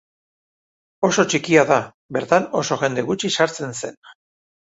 Oso txikia da, bertan oso jende gutxi sartzen zen.